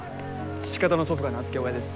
父方の祖父が名付け親です。